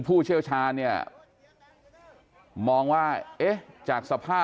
เพื่อนบ้านเจ้าหน้าที่อำรวจกู้ภัย